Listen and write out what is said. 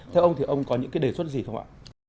theo ông thì ông có những cái đề xuất gì không ạ